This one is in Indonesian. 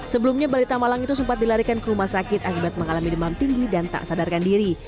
sebelumnya balita malang itu sempat dilarikan ke rumah sakit akibat mengalami demam tinggi dan tak sadarkan diri